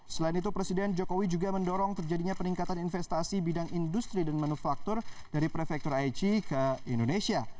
selain itu presiden jokowi juga mendorong terjadinya peningkatan investasi bidang industri dan manufaktur dari prefektur aichi ke indonesia